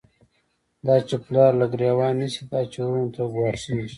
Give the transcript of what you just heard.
دا چی پلار له گریوان نیسی، دا چی وروڼو ته گوا ښیږی